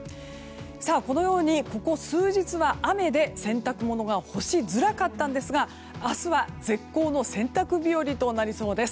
このように、ここ数日は雨で洗濯物が干しづらかったんですが明日は絶好の洗濯日和となりそうです。